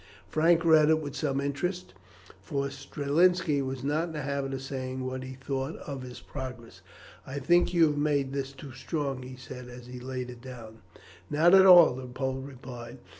Frank read it with some interest, for Strelinski was not in the habit of saying what he thought of his progress. "I think you have made this too strong," he said, as he laid it down. "Not at all," the Pole replied.